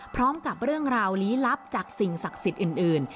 พร้อมกับเรื่องราวลี้ลับจากสิ่งศักดิ์สิทธิ์อื่น